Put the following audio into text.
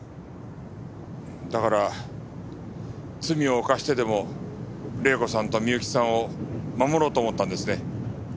だから罪を犯してでも玲子さんと美由紀さんを守ろうと思ったんですね。